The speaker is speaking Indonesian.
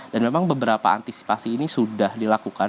dan memang beberapa antisipasi ini sudah dilakukan